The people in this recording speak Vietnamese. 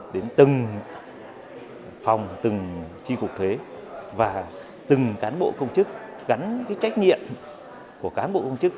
đến từng phòng từng tri cục thuế và từng cán bộ công chức gắn trách nhiệm của cán bộ công chức